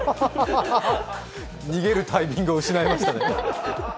逃げるタイミングを失いましたね。